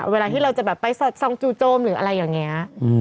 เวลาที่เราจะไปซองจูโจมหรืออะไรอย่างนี้